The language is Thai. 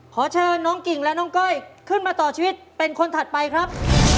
ขอเชิญน้องกิ่งและน้องก้อยขึ้นมาต่อชีวิตเป็นคนถัดไปครับ